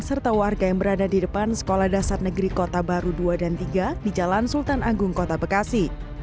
serta warga yang berada di depan sekolah dasar negeri kota baru dua dan tiga di jalan sultan agung kota bekasi